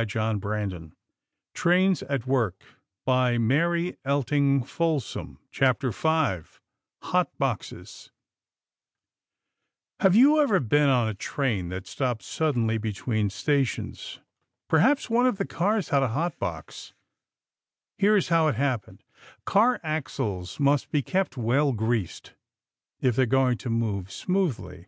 [Illustration: UNION PACIFIC NORTHERN PENNSYLVANIA T 1] HOT BOXES Have you ever been on a train that stopped suddenly between stations? Perhaps one of the cars had a hot box. Here is how it happened: Car axles must be kept well greased if they are going to move smoothly.